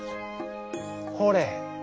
「ほれ。